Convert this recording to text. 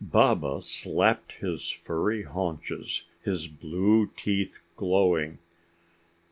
Baba slapped his furry haunches, his blue teeth glowing.